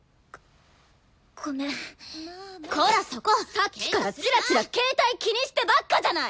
さっきからチラチラ携帯気にしてばっかじゃない！